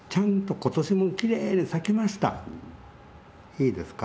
いいですか？